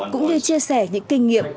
cũng như chia sẻ những kinh nghiệm